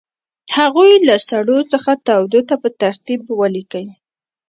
هغوی له سړو څخه تودو ته په ترتیب ولیکئ.